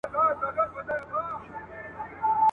د څرمني بوی یې پزي ته په کار وو ..